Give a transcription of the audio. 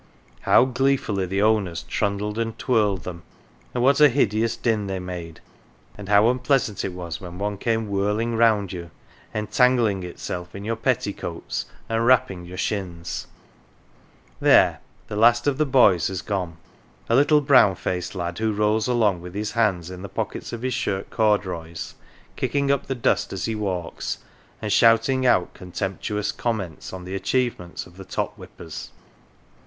How gleefully the owners trundled and twirled them, and what a hideous din they made, and how unpleasant it was when one came whirling round you, entangling itself in your petticoats and rapping your shins ! There the last of the boys has gone a little brown faced lad who rolls along with his hands in the pockets of his short corduroys, kicking up the dust as he walks, and shouting out contemptuous comments on the achievements of the top whippers.